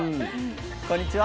こんにちは。